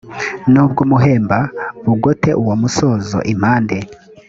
n ubw umuhemba bigote uwo musozo impande